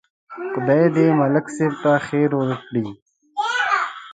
خدای دې ملک صاحب ته خیر ورکړي.